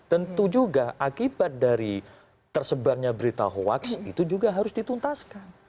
tentu juga akibat dari tersebarnya berita hoaks itu juga harus dituntaskan